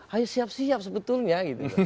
hanya siap siap sebetulnya